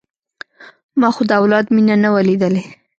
ما خو د اولاد مينه نه وه ليدلې.